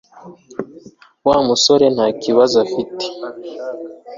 wa musore ntakibazo afite